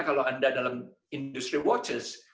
kalau anda dalam industri waters